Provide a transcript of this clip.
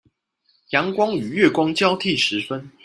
陽光與月光交替時分